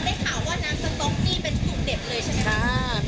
ได้ข่าวว่าน้ำสต๊อกนี่เป็นสูตรเด็ดเลยใช่ไหมครับ